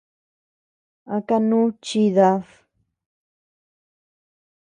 ¿A kanú chidad?